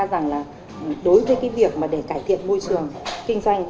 tôi chỉ ra rằng là đối với cái việc để cải thiện môi trường kinh doanh